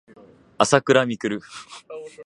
あさくらみくる